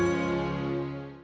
dompet kirani sudah ketemu